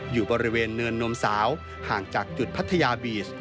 อยู่บริเวณเนินนมสาวห่างจากจุดพัทยาบีช